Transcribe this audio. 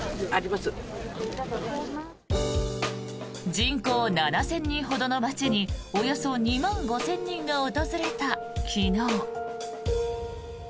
人口７０００人ほどの町におよそ２万５０００人が訪れた昨日。